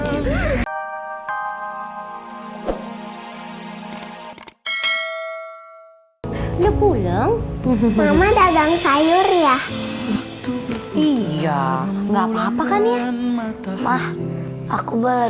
udah pulang mama dagang sayur ya iya nggak apa apa kan ya mah aku boleh